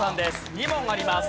２問あります。